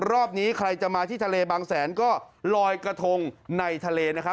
รอบนี้ใครจะมาที่ทะเลบางแสนก็ลอยกระทงในทะเลนะครับ